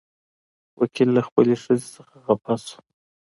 وکيل له خپلې ښځې څخه خپه شو.